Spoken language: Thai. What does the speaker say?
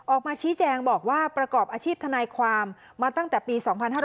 ออกมาชี้แจงบอกว่าประกอบอาชีพทนายความมาตั้งแต่ปี๒๕๕๙